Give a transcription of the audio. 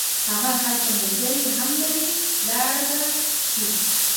هغه هلته ملګري هم لري لاړ به شي.